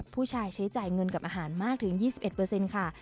ผู้ชายใช้จ่ายเงินกับอาหารมากถึง๒๑ค่ะ